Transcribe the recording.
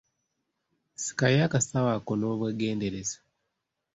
Sikayo akasawo ako n’obwegendereza.